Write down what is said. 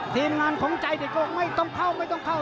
ทีมงานของใจเด็กก็ไม่ต้องเข้าไม่ต้องเข้า